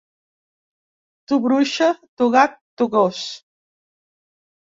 Tu bruixa, tu gat, tu gos!